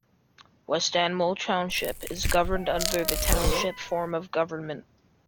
West Amwell Township is governed under the Township form of government.